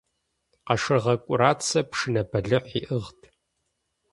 Къашыргъэ КӀурацэ пшынэ бэлыхь иӀыгът.